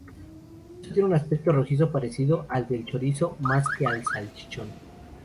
Por ello tiene un aspecto rojizo parecido al del chorizo más que al salchichón.